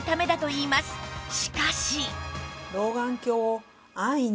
しかし